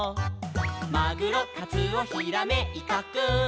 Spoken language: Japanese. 「マグロカツオヒラメイカくん」